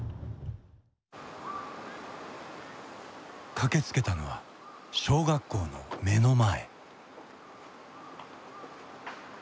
駆けつけたのは小学校の目の前。